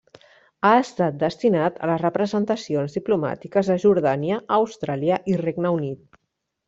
Ha estat destinat a les representacions diplomàtiques de Jordània, Austràlia i Regne Unit.